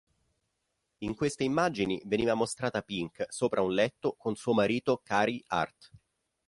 In queste immagini veniva mostrata Pink sopra un letto con suo marito Carey Hart.